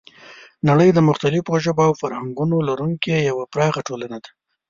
نړۍ د مختلفو ژبو او فرهنګونو لرونکی یوه پراخه ټولنه ده.